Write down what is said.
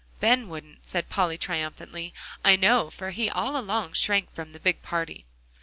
"Ben wouldn't," said Polly triumphantly, "I know, for he all along shrank from the big party."